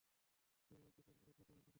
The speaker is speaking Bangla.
তবে উল্টো চালবাজির স্বীকার হলো সবাই।